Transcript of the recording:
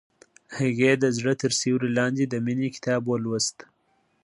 هغې د زړه تر سیوري لاندې د مینې کتاب ولوست.